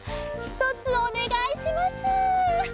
ひとつおねがいします。